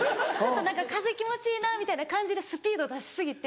風気持ちいいなみたいな感じでスピード出し過ぎて。